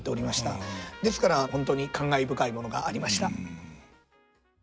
ですから本当に感慨深いものがありました。